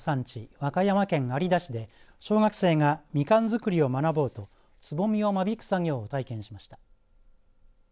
和歌山県有田市で小学生がみかん作りを学ぼうとつぼみを間引く作業を体験しました。